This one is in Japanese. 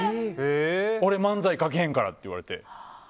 俺、漫才書けへんからって言われて。